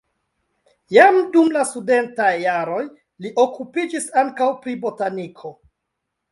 Jam dum la studentaj jaroj li okupiĝis ankaŭ pri botaniko.